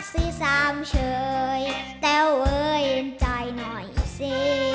รักสิสามเฉยแต้วเย็นใจหน่อยสิ